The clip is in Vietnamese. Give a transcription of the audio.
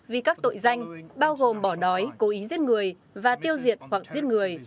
vì các tội danh bao gồm bỏ đói cố ý giết người và tiêu diệt hoặc giết người